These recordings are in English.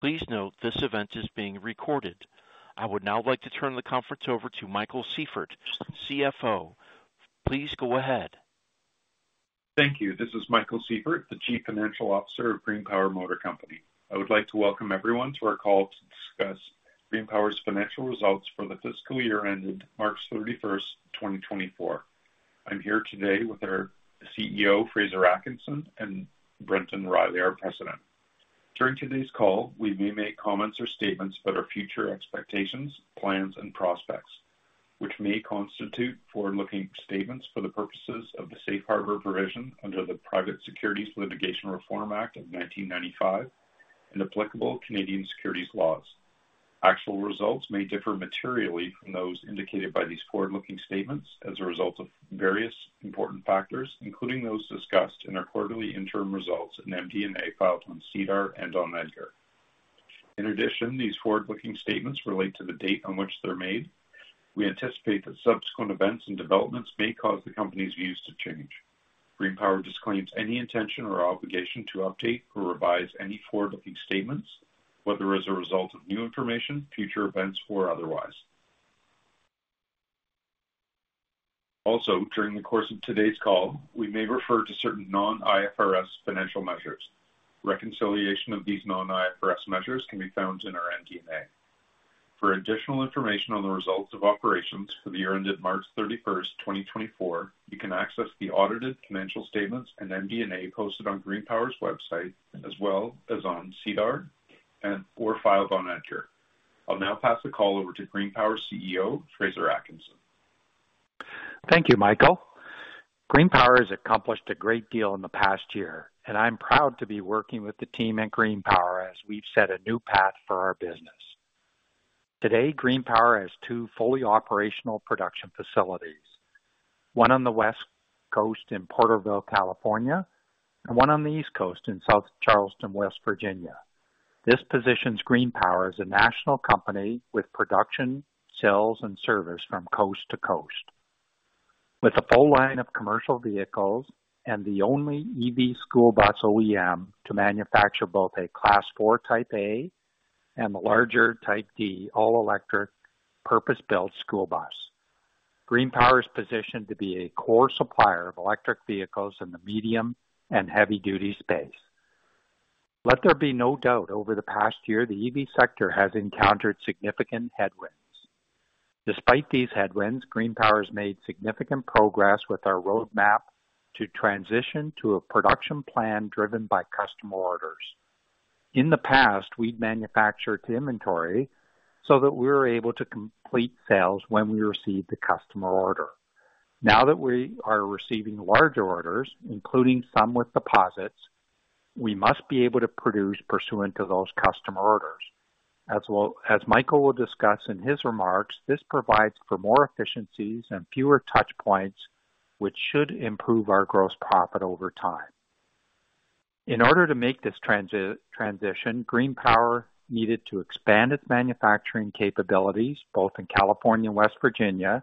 Please note this event is being recorded. I would now like to turn the conference over to Michael Sieffert, CFO. Please go ahead. Thank you. This is Michael Sieffert, the Chief Financial Officer of GreenPower Motor Company. I would like to welcome everyone to our call to discuss GreenPower's financial results for the fiscal year ended March 31st, 2024. I'm here today with our CEO, Fraser Atkinson, and Brendan Riley, our president. During today's call, we may make comments or statements about our future expectations, plans, and prospects, which may constitute forward-looking statements for the purposes of the Safe Harbor provision under the Private Securities Litigation Reform Act of 1995 and applicable Canadian securities laws. Actual results may differ materially from those indicated by these forward-looking statements as a result of various important factors, including those discussed in our quarterly interim results in MD&A, filed on SEDAR and on EDGAR. In addition, these forward-looking statements relate to the date on which they're made. We anticipate that subsequent events and developments may cause the company's views to change. GreenPower disclaims any intention or obligation to update or revise any forward-looking statements, whether as a result of new information, future events, or otherwise. Also, during the course of today's call, we may refer to certain non-IFRS financial measures. Reconciliation of these non-IFRS measures can be found in our MD&A. For additional information on the results of operations for the year ended March 31st, 2024, you can access the audited financial statements and MD&A posted on GreenPower's website, as well as on SEDAR and/or filed on EDGAR. I'll now pass the call over to GreenPower CEO, Fraser Atkinson. Thank you, Michael. GreenPower has accomplished a great deal in the past year, and I'm proud to be working with the team at GreenPower as we've set a new path for our business. Today, GreenPower has two fully operational production facilities, one on the West Coast in Porterville, California, and one on the East Coast in South Charleston, West Virginia. This positions GreenPower as a national company with production, sales, and service from coast to coast. With a full line of commercial vehicles and the only EV school bus OEM to manufacture both a Class 4, Type A and the larger Type D, all-electric, purpose-built school bus. GreenPower is positioned to be a core supplier of electric vehicles in the medium and heavy-duty space. Let there be no doubt, over the past year, the EV sector has encountered significant headwinds. Despite these headwinds, GreenPower has made significant progress with our roadmap to transition to a production plan driven by customer orders. In the past, we'd manufactured to inventory so that we were able to complete sales when we received the customer order. Now that we are receiving larger orders, including some with deposits, we must be able to produce pursuant to those customer orders. As well, as Michael will discuss in his remarks, this provides for more efficiencies and fewer touch points, which should improve our gross profit over time. In order to make this transition, GreenPower needed to expand its manufacturing capabilities, both in California and West Virginia,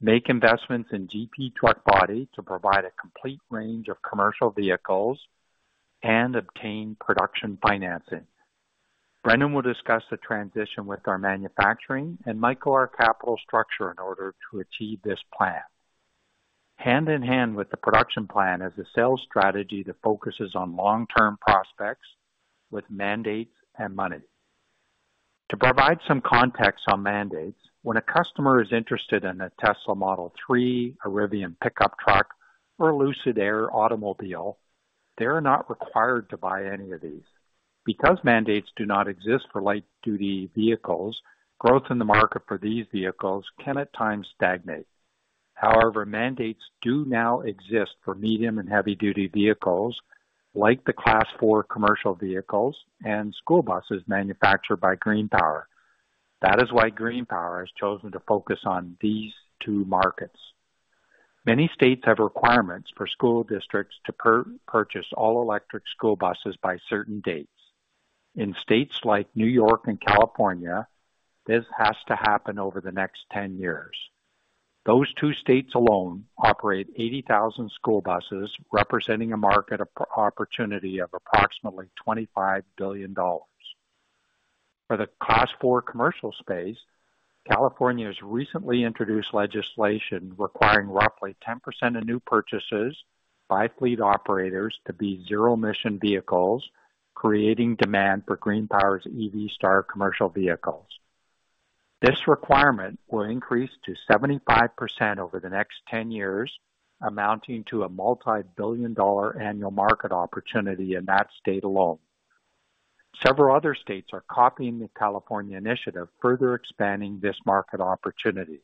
make investments in GP Truck Body to provide a complete range of commercial vehicles, and obtain production financing. Brendan will discuss the transition with our manufacturing and Michael, our capital structure, in order to achieve this plan. Hand in hand with the production plan is a sales strategy that focuses on long-term prospects with mandates and money. To provide some context on mandates, when a customer is interested in a Tesla Model 3, a Rivian pickup truck, or a Lucid Air automobile, they are not required to buy any of these. Because mandates do not exist for light-duty vehicles, growth in the market for these vehicles can at times stagnate. However, mandates do now exist for medium and heavy-duty vehicles, like the Class 4 commercial vehicles and school buses manufactured by GreenPower. That is why GreenPower has chosen to focus on these two markets. Many states have requirements for school districts to purchase all-electric school buses by certain dates. In states like New York and California, this has to happen over the next 10 years. Those two states alone operate 80,000 school buses, representing a market opportunity of approximately $25 billion. For the Class 4 commercial space, California has recently introduced legislation requiring roughly 10% of new purchases by fleet operators to be zero-emission vehicles, creating demand for GreenPower's EV Star commercial vehicles. This requirement will increase to 75% over the next 10 years, amounting to a multi-billion dollar annual market opportunity in that state alone. Several other states are copying the California initiative, further expanding this market opportunity.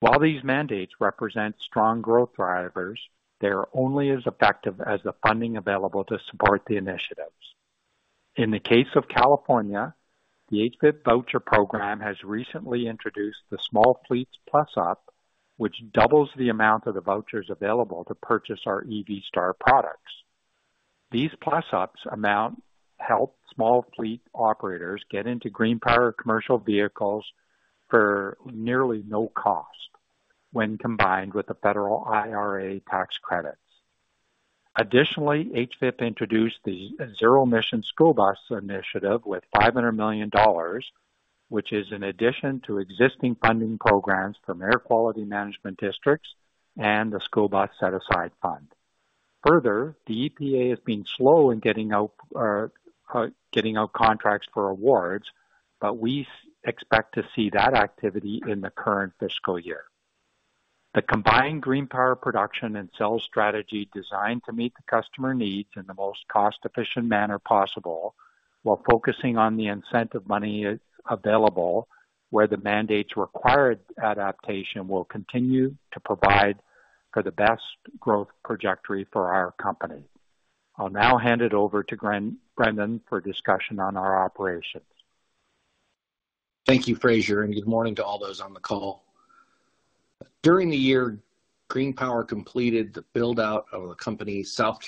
While these mandates represent strong growth drivers, they are only as effective as the funding available to support the initiatives. In the case of California, the HVIP voucher program has recently introduced the Small Fleets Plus-Up, which doubles the amount of the vouchers available to purchase our EV Star products. These plus-ups amount help small fleet operators get into GreenPower commercial vehicles for nearly no cost, when combined with the federal IRA tax credits. Additionally, HVIP introduced the Zero Emission School Bus Initiative with $500 million, which is in addition to existing funding programs from air quality management districts and the School Bus Set-Aside fund. Further, the EPA has been slow in getting out contracts for awards, but we expect to see that activity in the current fiscal year. The combined GreenPower production and sales strategy designed to meet the customer needs in the most cost-efficient manner possible, while focusing on the incentive money available, where the mandates required adaptation, will continue to provide for the best growth trajectory for our company. I'll now hand it over to Brendan for discussion on our operations. Thank you, Fraser, and good morning to all those on the call. During the year, GreenPower completed the build-out of the company's South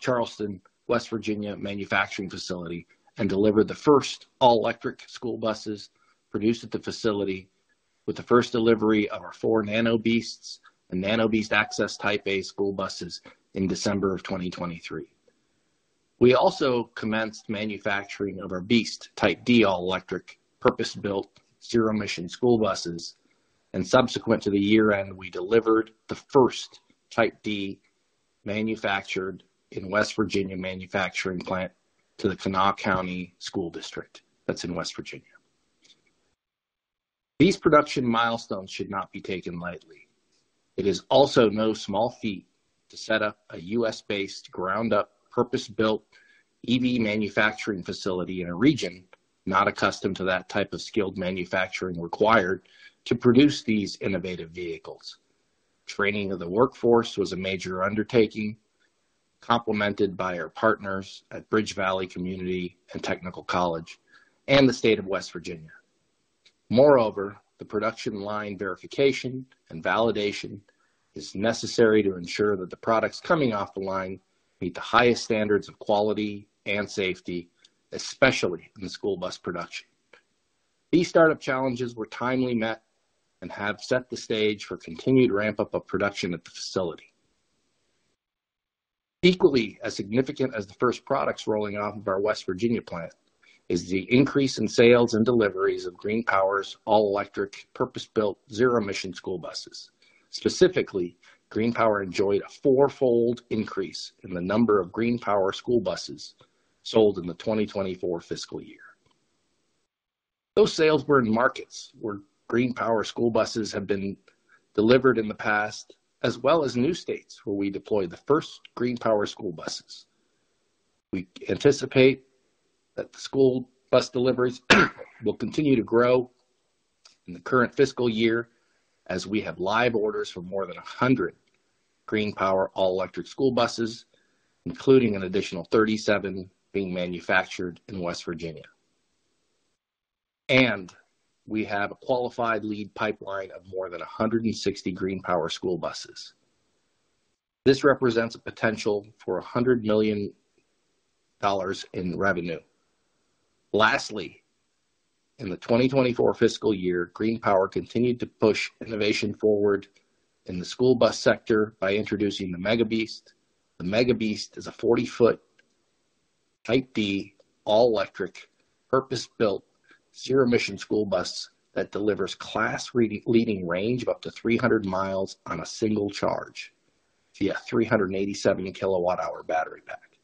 Charleston, West Virginia, manufacturing facility and delivered the first all-electric school buses produced at the facility, with the first delivery of our four Nano BEASTs and Nano BEAST Access Type A school buses in December 2023. We also commenced manufacturing of our BEAST Type D, all-electric, purpose-built, zero-emission school buses, and subsequent to the year-end, we delivered the first Type D manufactured in West Virginia manufacturing plant to the Kanawha County School District. That's in West Virginia. These production milestones should not be taken lightly. It is also no small feat to set up a U.S.-based, ground-up, purpose-built EV manufacturing facility in a region not accustomed to that type of skilled manufacturing required to produce these innovative vehicles. Training of the workforce was a major undertaking, complemented by our partners at BridgeValley Community and Technical College and the State of West Virginia. Moreover, the production line verification and validation is necessary to ensure that the products coming off the line meet the highest standards of quality and safety, especially in school bus production. These startup challenges were timely met and have set the stage for continued ramp-up of production at the facility. Equally as significant as the first products rolling off of our West Virginia plant, is the increase in sales and deliveries of GreenPower's all-electric, purpose-built, zero-emission school buses. Specifically, GreenPower enjoyed a fourfold increase in the number of GreenPower school buses sold in the 2024 fiscal year. Those sales were in markets where GreenPower school buses have been delivered in the past, as well as new states where we deployed the first GreenPower school buses. We anticipate that the school bus deliveries will continue to grow in the current fiscal year, as we have live orders for more than 100 GreenPower all-electric school buses, including an additional 37 being manufactured in West Virginia. We have a qualified lead pipeline of more than 160 GreenPower school buses. This represents a potential for $100 million in revenue. Lastly, in the 2024 fiscal year, GreenPower continued to push innovation forward in the school bus sector by introducing the Mega BEAST. The Mega BEAST is a 40-foot, Type D, all-electric, purpose-built, zero-emission school bus that delivers class-leading range of up to 300 mi on a single charge via 387 kWh battery pack.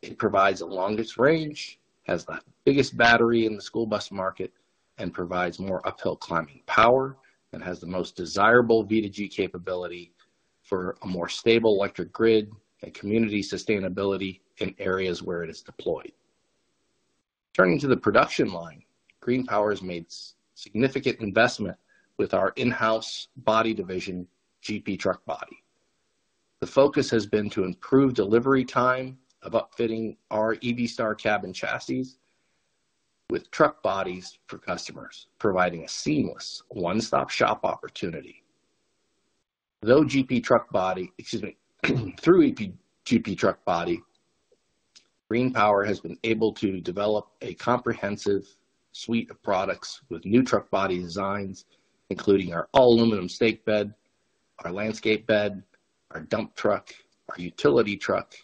It provides the longest range, has the biggest battery in the school bus market, and provides more uphill climbing power, and has the most desirable V2G capability for a more stable electric grid and community sustainability in areas where it is deployed. Turning to the production line, GreenPower has made significant investment with our in-house body division, GP Truck Body. The focus has been to improve delivery time of upfitting our EV Star Cab & Chassis with truck bodies for customers, providing a seamless one-stop shop opportunity. Through GP Truck Body, GreenPower has been able to develop a comprehensive suite of products with new truck body designs, including our all-aluminum stake bed, our landscape bed, our dump truck, our utility truck,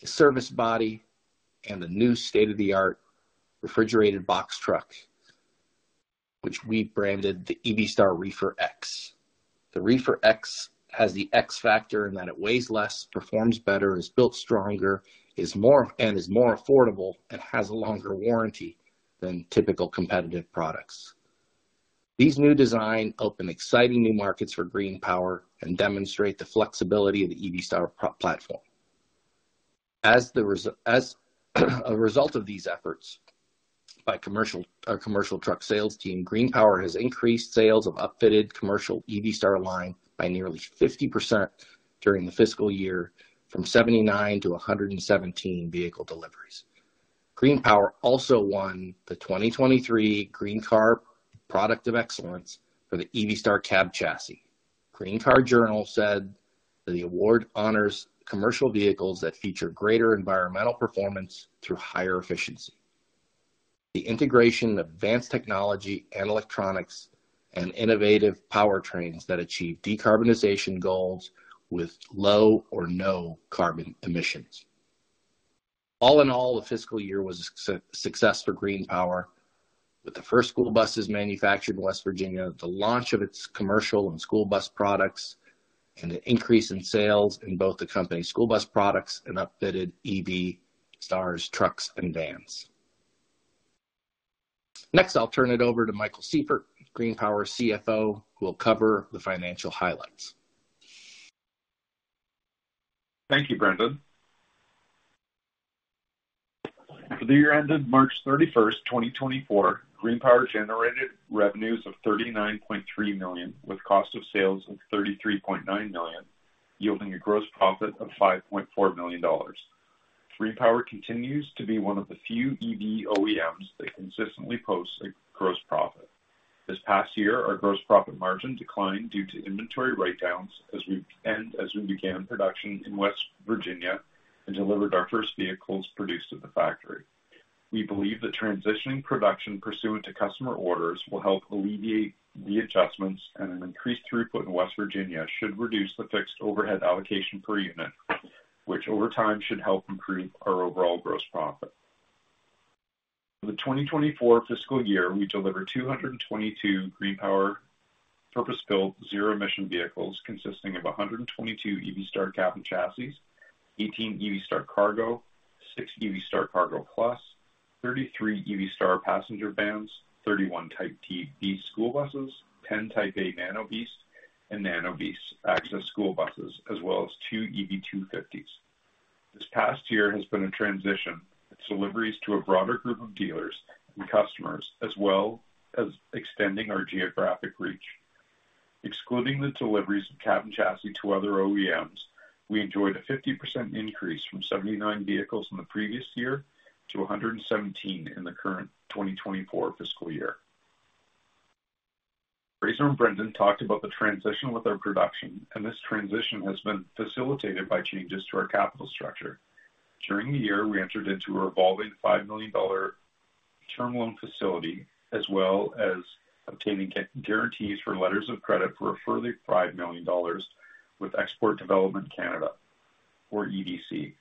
the service body, and the new state-of-the-art refrigerated box truck, which we branded the EV Star ReeferX. The ReeferX has the X factor in that it weighs less, performs better, is built stronger, is more and is more affordable, and has a longer warranty than typical competitive products. These new design open exciting new markets for GreenPower and demonstrate the flexibility of the EV Star platform. As a result of these efforts by our commercial truck sales team, GreenPower has increased sales of upfitted commercial EV Star line by nearly 50% during the fiscal year, from 79 to 117 vehicle deliveries. GreenPower also won the 2023 Green Car Product of Excellence for the EV Star Cab & Chassis. Green Car Journal said that the award honors commercial vehicles that feature greater environmental performance through higher efficiency. The integration of advanced technology and electronics and innovative powertrains that achieve decarbonization goals with low or no carbon emissions. All in all, the fiscal year was a success for GreenPower, with the first school buses manufactured in West Virginia, the launch of its commercial and school bus products, and an increase in sales in both the company's school bus products and upfitted EV Star trucks and vans. Next, I'll turn it over to Michael Sieffert, GreenPower CFO, who will cover the financial highlights. Thank you, Brendan. For the year ended March 31st, 2024, GreenPower generated revenues of $39.3 million, with cost of sales of $33.9 million, yielding a gross profit of $5.4 million. GreenPower continues to be one of the few EV OEMs that consistently posts a gross profit. This past year, our gross profit margin declined due to inventory write-downs as we began production in West Virginia and delivered our first vehicles produced at the factory. We believe that transitioning production pursuant to customer orders will help alleviate the adjustments, and an increased throughput in West Virginia should reduce the fixed overhead allocation per unit, which over time should help improve our overall gross profit. For the 2024 fiscal year, we delivered 222 GreenPower purpose-built zero-emission vehicles, consisting of 122 EV Star Cab & Chassis, 18 EV Star Cargo, six EV Star Cargo Plus, 33 EV Star Passenger Vans, 31 Type D BEAST school buses, 10 Type A Nano BEAST and Nano BEAST Access school buses, as well as two EV250s. This past year has been a transition with deliveries to a broader group of dealers and customers, as well as extending our geographic reach. Excluding the deliveries of cab and chassis to other OEMs, we enjoyed a 50% increase from 79 vehicles in the previous year to 117 in the current 2024 fiscal year. Fraser and Brendan talked about the transition with our production, and this transition has been facilitated by changes to our capital structure. During the year, we entered into a revolving $5 million term loan facility, as well as obtaining guarantees for letters of credit for a further $5 million with Export Development Canada or EDC.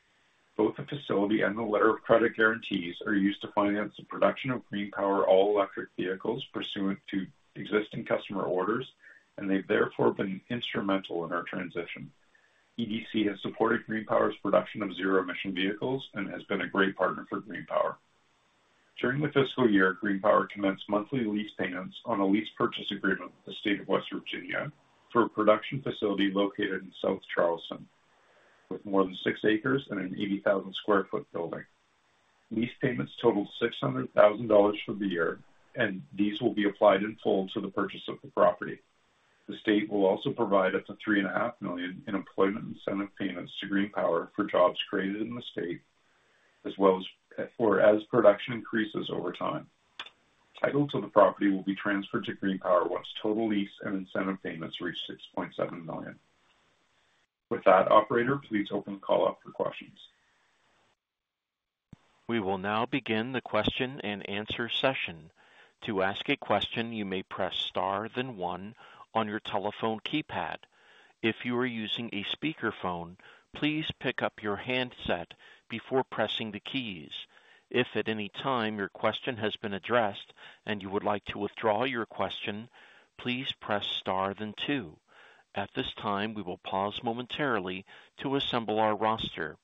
Both the facility and the letter of credit guarantees are used to finance the production of GreenPower all-electric vehicles pursuant to existing customer orders, and they've therefore been instrumental in our transition. EDC has supported GreenPower's production of zero-emission vehicles and has been a great partner for GreenPower. During the fiscal year, GreenPower commenced monthly lease payments on a lease purchase agreement with the state of West Virginia for a production facility located in South Charleston, with more than 6 acres and an 80,000 sq ft building. Lease payments totaled $600,000 for the year, and these will be applied in full to the purchase of the property. The state will also provide up to $3.5 million in employment incentive payments to GreenPower for jobs created in the state, as well as for as production increases over time. Title to the property will be transferred to GreenPower once total lease and incentive payments reach $6.7 million. With that, operator, please open the call up for questions. We will now begin the question and answer session. To ask a question, you may press star, then one on your telephone keypad. If you are using a speakerphone, please pick up your handset before pressing the keys. If at any time your question has been addressed and you would like to withdraw your question, please press star then two. At this time, we will pause momentarily to assemble our roster.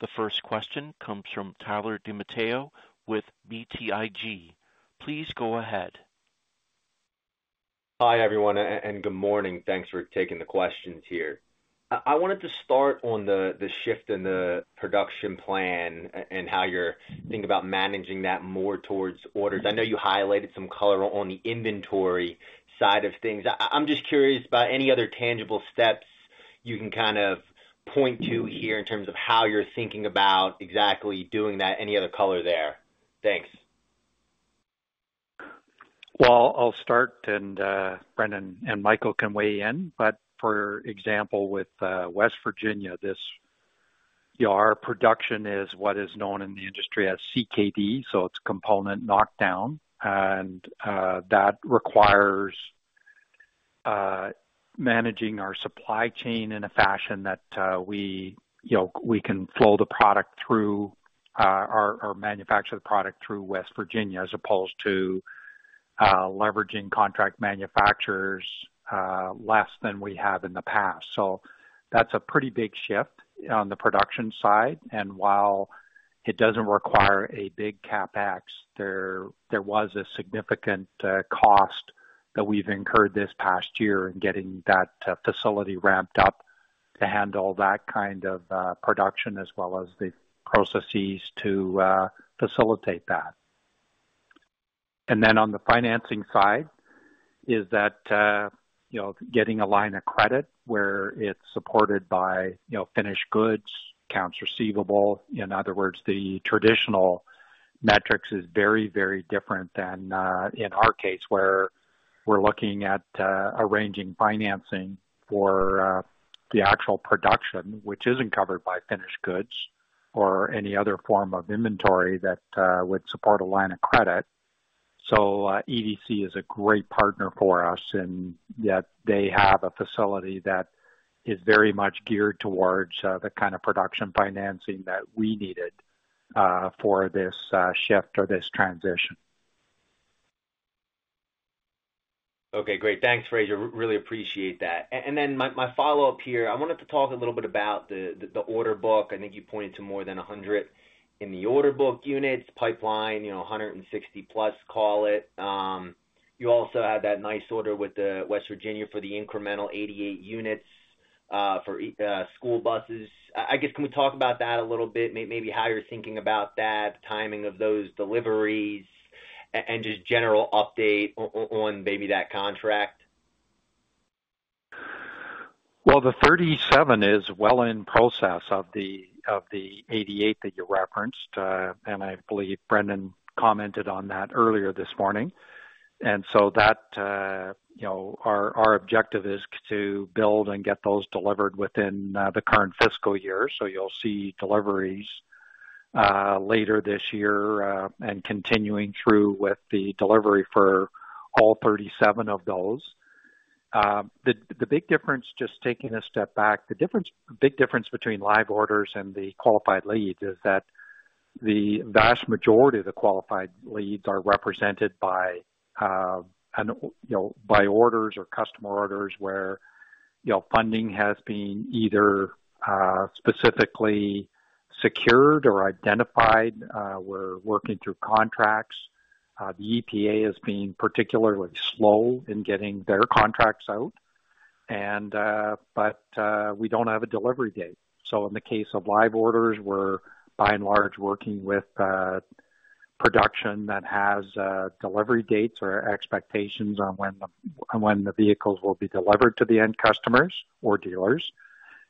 The first question comes from Tyler DiMatteo with BTIG. Please go ahead. Hi, everyone, and good morning. Thanks for taking the questions here. I wanted to start on the shift in the production plan and how you're thinking about managing that more towards orders. I know you highlighted some color on the inventory side of things. I'm just curious about any other tangible steps you can kind of point to here in terms of how you're thinking about exactly doing that. Any other color there? Thanks. Well, I'll start and, Brendan and Michael can weigh in. But for example, with West Virginia, this, you know, our production is what is known in the industry as CKD, so it's complete knock-down, and that requires managing our supply chain in a fashion that, we, you know, we can flow the product through, or manufacture the product through West Virginia, as opposed to leveraging contract manufacturers less than we have in the past. So that's a pretty big shift on the production side, and while it doesn't require a big CapEx, there was a significant cost that we've incurred this past year in getting that facility ramped up to handle that kind of production, as well as the processes to facilitate that. And then on the financing side is that, you know, getting a line of credit where it's supported by, you know, finished goods, accounts receivable. In other words, the traditional metrics is very, very different than in our case, where we're looking at arranging financing for the actual production, which isn't covered by finished goods or any other form of inventory that would support a line of credit. So, EDC is a great partner for us, and yet they have a facility that is very much geared towards the kind of production financing that we needed for this shift or this transition. Okay, great. Thanks, Fraser. Really appreciate that. And then my follow-up here, I wanted to talk a little bit about the order book. I think you pointed to more than 100 in the order book units, pipeline, you know, 160+, call it. You also had that nice order with the West Virginia for the incremental 88 units for school buses. I guess, can we talk about that a little bit? Maybe how you're thinking about that, the timing of those deliveries, and just general update on maybe that contract? Well, the 37 is well in process of the 88 that you referenced, and I believe Brendan commented on that earlier this morning. And so that, you know, our objective is to build and get those delivered within the current fiscal year. So you'll see deliveries later this year, and continuing through with the delivery for all 37 of those. The big difference, just taking a step back, the difference - big difference between live orders and the qualified leads is that the vast majority of the qualified leads are represented by orders or customer orders where, you know, funding has been either specifically secured or identified. We're working through contracts. The EPA is being particularly slow in getting their contracts out, and but we don't have a delivery date. So in the case of live orders, we're by and large working with production that has delivery dates or expectations on when the, on when the vehicles will be delivered to the end customers or dealers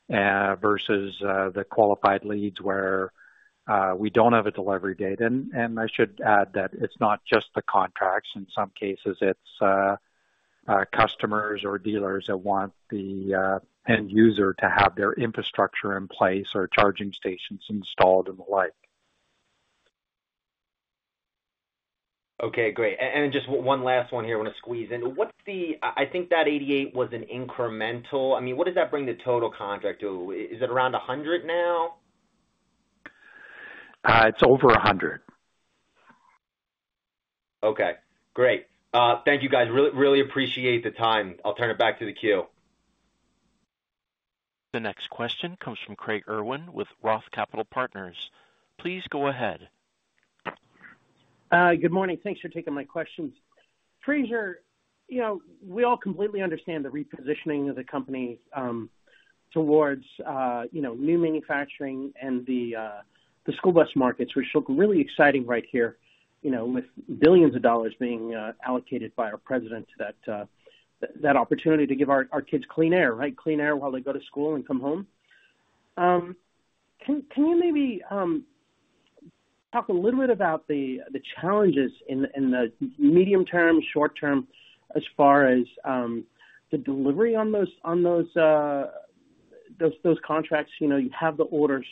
versus the qualified leads, where we don't have a delivery date. And I should add that it's not just the contracts. In some cases, it's our customers or dealers that want the end user to have their infrastructure in place or charging stations installed and the like. Okay, great. And just one last one here I want to squeeze in. What's the... I think that 88 was an incremental. I mean, what does that bring the total contract to? Is it around 100 now? It's over 100. Okay, great. Thank you, guys. Really appreciate the time. I'll turn it back to the queue. The next question comes from Craig Irwin with Roth Capital Partners. Please go ahead. Good morning. Thanks for taking my questions. Fraser, you know, we all completely understand the repositioning of the company, towards, you know, new manufacturing and the, the school bus markets, which look really exciting right here, you know, with billions of dollars being allocated by our president, that, that opportunity to give our kids clean air, right? Clean air while they go to school and come home. Can you maybe talk a little bit about the challenges in the medium term, short term, as far as the delivery on those contracts? You know, you have the orders,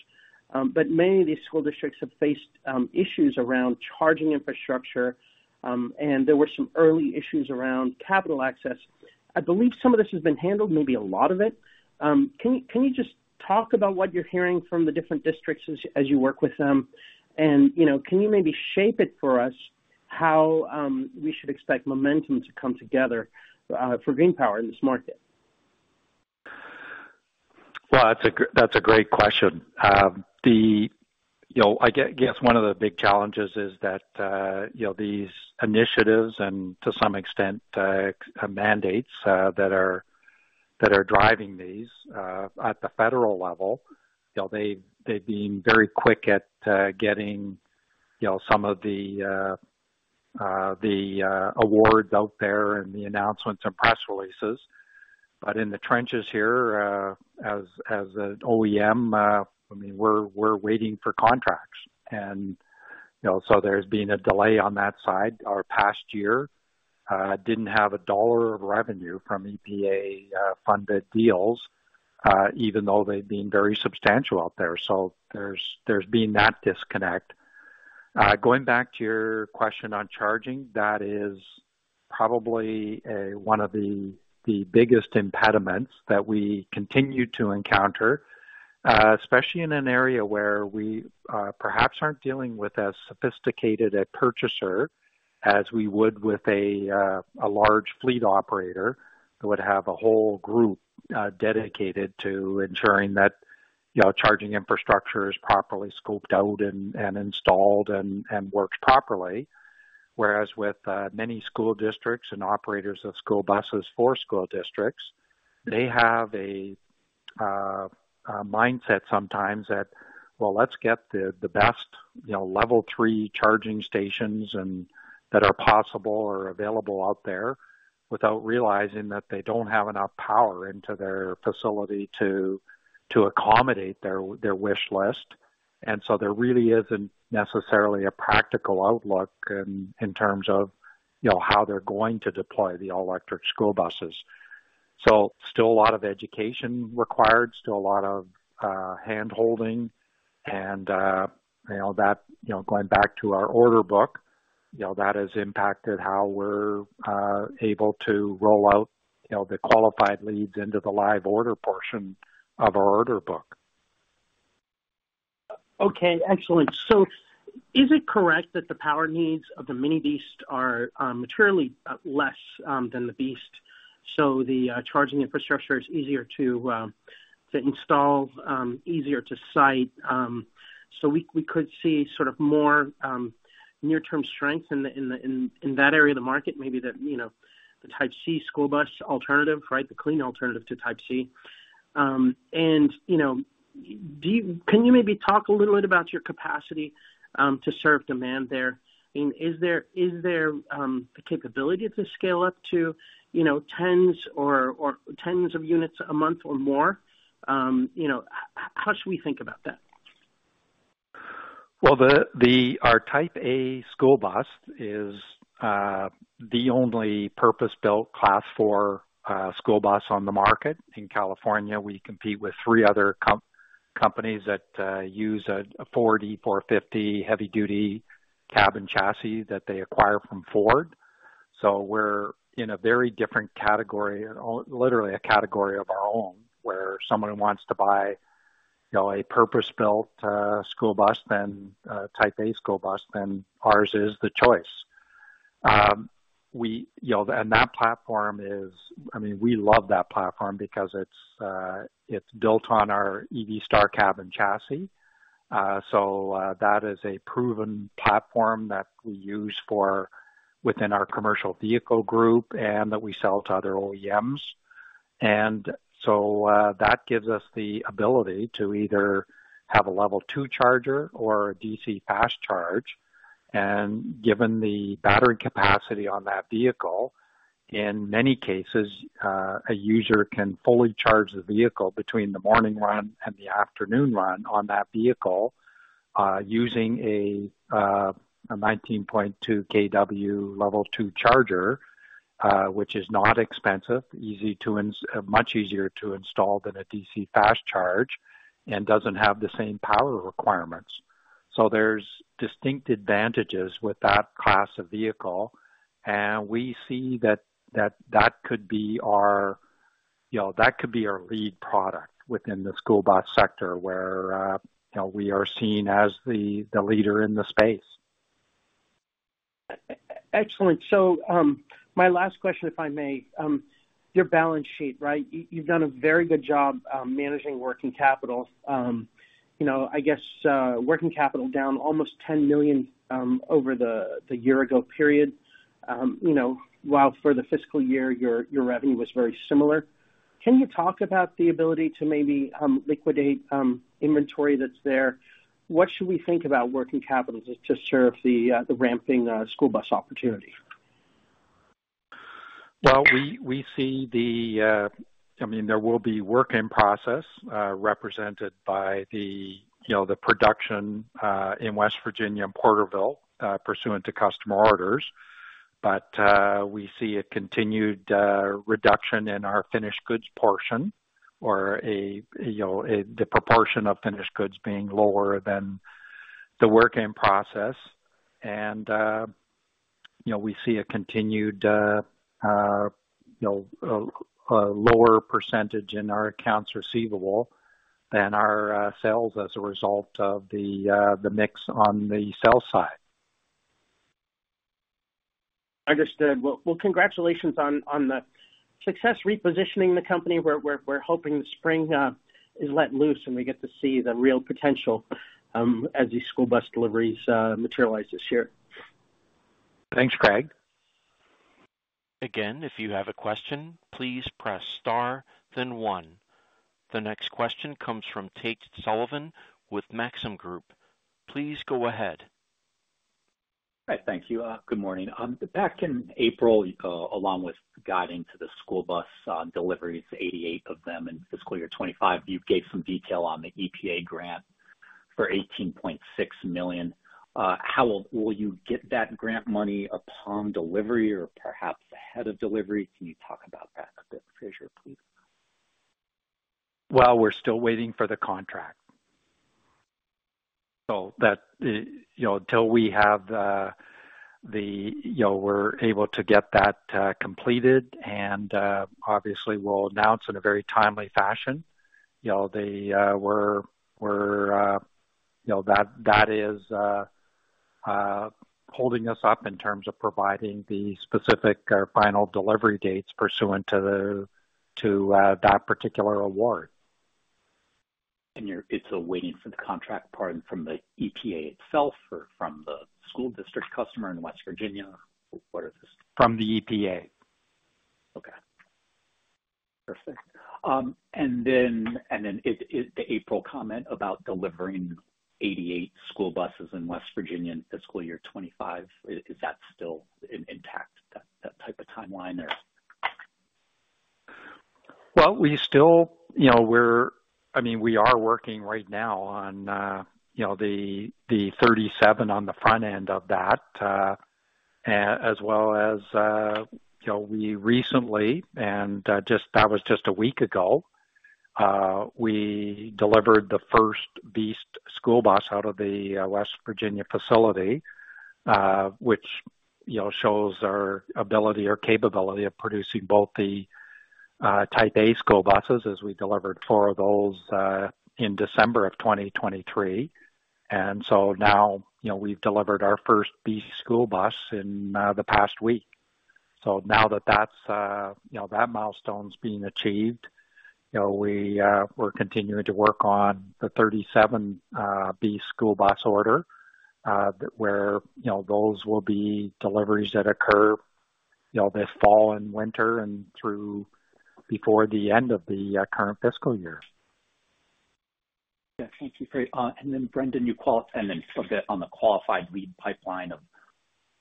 but many of these school districts have faced issues around charging infrastructure, and there were some early issues around capital access. I believe some of this has been handled, maybe a lot of it. Can you just talk about what you're hearing from the different districts as you work with them? And, you know, can you maybe shape it for us, how we should expect momentum to come together for GreenPower in this market? Well, that's a great question. You know, I guess one of the big challenges is that, you know, these initiatives and to some extent, mandates, that are driving these, at the federal level, you know, they've been very quick at getting, you know, some of the awards out there and the announcements and press releases. But in the trenches here, as an OEM, I mean, we're waiting for contracts. And, you know, so there's been a delay on that side. Our past year didn't have $1 of revenue from EPA funded deals, even though they've been very substantial out there. So there's been that disconnect. Going back to your question on charging, that is probably one of the biggest impediments that we continue to encounter, especially in an area where we perhaps aren't dealing with as sophisticated a purchaser as we would with a large fleet operator, would have a whole group dedicated to ensuring that, you know, charging infrastructure is properly scoped out and installed and works properly. Whereas with many school districts and operators of school buses for school districts, they have a mindset sometimes that, well, let's get the best, you know, Level 3 charging stations that are possible or available out there, without realizing that they don't have enough power into their facility to accommodate their wish list. And so there really isn't necessarily a practical outlook in terms of, you know, how they're going to deploy the all-electric school buses. So still a lot of education required, still a lot of handholding. And you know, that, you know, going back to our order book, you know, that has impacted how we're able to roll out, you know, the qualified leads into the live order portion of our order book. Okay, excellent. So is it correct that the power needs of the Nano BEAST are materially less than the BEAST, so the charging infrastructure is easier to install, easier to site, so we could see sort of more near-term strength in that area of the market, maybe the you know the Type C school bus alternative, right? The clean alternative to Type C. And you know can you maybe talk a little bit about your capacity to serve demand there? I mean is there a capability to scale up to you know tens or tens of units a month or more? You know how should we think about that? Well, the our Type A school bus is the only purpose-built Class 4 school bus on the market. In California, we compete with three other companies that use a F-450 heavy duty cab chassis that they acquire from Ford. So we're in a very different category, literally a category of our own, where someone who wants to buy, you know, a purpose-built school bus than a Type A school bus, then ours is the choice. You know, and that platform is, I mean, we love that platform because it's built on our EV Star Cab & Chassis. So that is a proven platform that we use for within our commercial vehicle group and that we sell to other OEMs. That gives us the ability to either have a Level 2 charger or a DC fast charge. Given the battery capacity on that vehicle, in many cases, a user can fully charge the vehicle between the morning run and the afternoon run on that vehicle, using a 19.2 kW Level 2 charger, which is not expensive, easy to install, much easier to install than a DC fast charge and doesn't have the same power requirements. There's distinct advantages with that class of vehicle, and we see that, that, that could be our, you know, that could be our lead product within the school bus sector, where, you know, we are seen as the, the leader in the space. Excellent. So, my last question, if I may. Your balance sheet, right? You've done a very good job, managing working capital. You know, I guess, working capital down almost $10 million, over the year ago period. You know, while for the fiscal year, your revenue was very similar. Can you talk about the ability to maybe, liquidate, inventory that's there? What should we think about working capital to serve the ramping school bus opportunity? Well, we see, I mean, there will be work in process represented by, you know, the production in West Virginia and Porterville pursuant to customer orders. But we see a continued reduction in our finished goods portion or, you know, the proportion of finished goods being lower than the work in process. And you know, we see a continued, you know, a lower percentage in our accounts receivable than our sales as a result of the mix on the sales side. Understood. Well, congratulations on the success repositioning the company. We're hoping the spring is let loose, and we get to see the real potential as these school bus deliveries materialize this year. Thanks, Craig. Again, if you have a question, please press star, then one. The next question comes from Tate Sullivan with Maxim Group. Please go ahead. Hi. Thank you. Good morning. Back in April, along with guiding to the school bus deliveries, 88 of them in fiscal year 2025, you gave some detail on the EPA grant for $18.6 million. How will you get that grant money upon delivery or perhaps ahead of delivery? Can you talk about that a bit, Fraser, please? Well, we're still waiting for the contract. So that, you know, until we have the, you know, we're able to get that completed and obviously we'll announce in a very timely fashion. You know, the, we're, you know, that that is holding us up in terms of providing the specific final delivery dates pursuant to the, to that particular award. It's awaiting the contract, pardon from the EPA itself or from the school district customer in West Virginia? What is this? From the EPA. Okay, perfect. And then, is the April comment about delivering 88 school buses in West Virginia in fiscal year 2025 still intact, that type of timeline there? Well, we still, you know, we're—I mean, we are working right now on, you know, the 37 on the front end of that. As well as, you know, we recently and just, that was just a week ago, we delivered the first BEAST school bus out of the West Virginia facility, which, you know, shows our ability or capability of producing both the Type A school buses, as we delivered four of those in December of 2023. And so now, you know, we've delivered our first BEAST school bus in the past week. So now that that's, you know, that milestone's been achieved, you know, we, we're continuing to work on the 37 BEAST school bus order, where, you know, those will be deliveries that occur, you know, this fall and winter and through before the end of the, current fiscal year. Yeah. Thank you, Fraser. And then, Brendan, and then a bit on the qualified lead pipeline of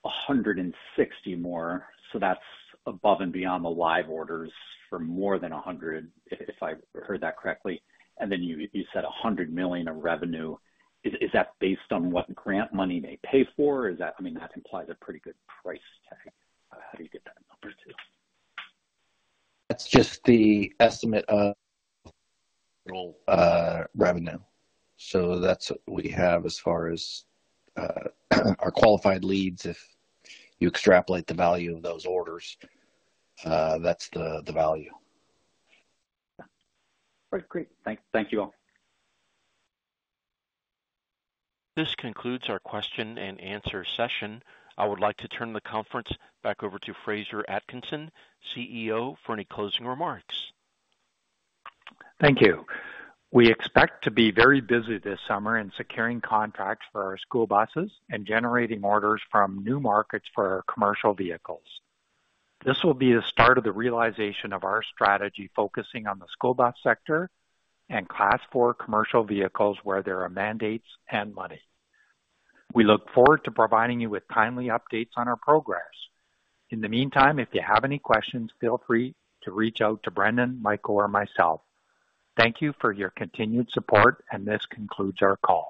160 more. So that's above and beyond the live orders for more than 100, if, if I heard that correctly. And then you said $100 million of revenue. Is that based on what grant money may pay for? Is that... I mean, that implies a pretty good price tag. How do you get that number, too? That's just the estimate of revenue. So that's what we have as far as our qualified leads. If you extrapolate the value of those orders, that's the, the value. Yeah. All right, great. Thank you all. This concludes our question and answer session. I would like to turn the conference back over to Fraser Atkinson, CEO, for any closing remarks. Thank you. We expect to be very busy this summer in securing contracts for our school buses and generating orders from new markets for our commercial vehicles. This will be the start of the realization of our strategy, focusing on the school bus sector and Class 4 commercial vehicles, where there are mandates and money. We look forward to providing you with timely updates on our progress. In the meantime, if you have any questions, feel free to reach out to Brendan, Michael, or myself. Thank you for your continued support, and this concludes our call.